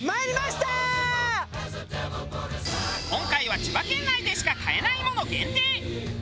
今回は千葉県内でしか買えないもの限定！